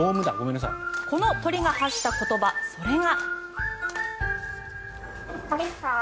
この鳥が発した言葉それが。